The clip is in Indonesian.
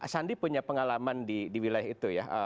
sandi punya pengalaman di wilayah itu ya